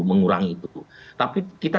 mengurangi itu tapi kita